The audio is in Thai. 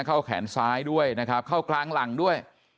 แขนซ้ายด้วยนะครับเข้ากลางหลังด้วย